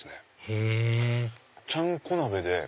へぇちゃんこ鍋で。